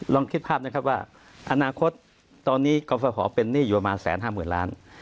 ลองคิดภาพนะครับว่าอนาคตตอนนี้กรฟภเป็นหนี้อยู่ประมาณ๑๕๐๐๐ล้าน